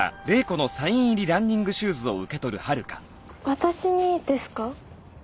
私にですか？